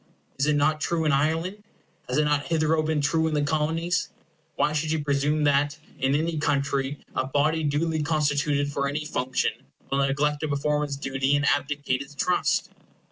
Is it not true in Ireland? Has it not hitherto been true in the Colonies? Why should you presume that, in any country, a body duly constituted for any function will neglect to perform its duty and abdicate its trust?